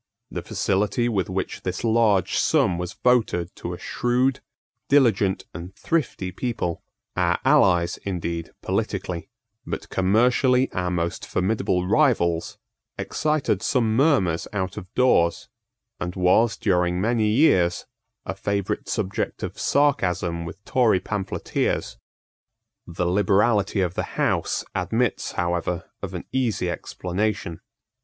The facility with which this large sum was voted to a shrewd, diligent and thrifty people, our allies, indeed, politically, but commercially our most formidable rivals, excited some murmurs out of doors, and was, during many years, a favourite subject of sarcasm with Tory pamphleteers. The liberality of the House admits however of an easy explanation.